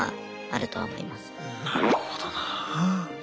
なるほどな。え？